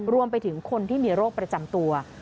รวมไปถึงคนที่มีโรคประจำตัว